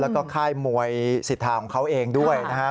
แล้วก็ค่ายมวยสิทธาของเขาเองด้วยนะครับ